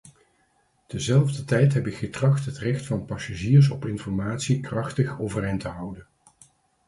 Tezelfdertijd heb ik getracht het recht van passagiers op informatie krachtig overeind te houden.